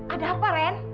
ada apa ren